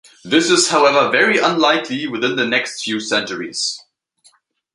This is, however, very unlikely within the next few centuries.